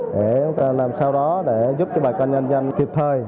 để chúng ta làm sau đó để giúp cho bà con dân dân kịp thời